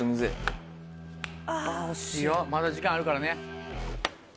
いいよまだ時間あるからね。